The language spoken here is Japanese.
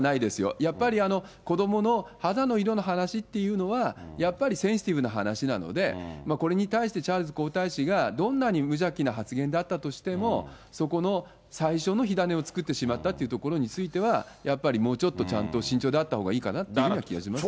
やっぱり子どもの肌の色の話というのは、やっぱりセンシティブな話なので、これに対してチャールズ皇太子が、どんなに無邪気な発言だったとしても、そこの最初の火種を作ってしまったっていうところについては、やっぱりもうちょっとちゃんと、慎重であったほうがいいかなというような気がしますけどね。